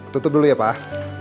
tutup dulu ya pak